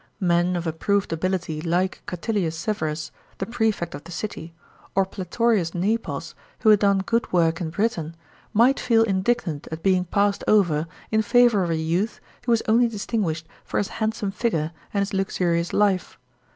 Men of approved ability like Catilius Severus, the prefect of the city, or Platorius Nepos, who had done good work in Britain, might feel indignant at being passed over in favour of a youth who was only distinguished for his handsome figure and his luxurious life.